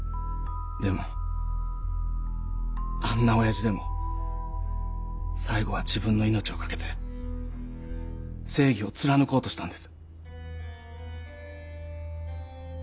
でもあんな親父でも最後は自分の命を懸けて正義を貫こうとしたんです。